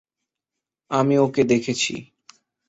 আমি ওকে দেখেছি!